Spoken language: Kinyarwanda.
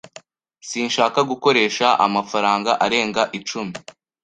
Sinshaka gukoresha amafaranga arenga icumi.